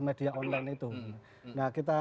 media online itu nah kita